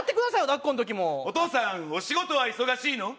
だっこの時もお父さんお仕事は忙しいの？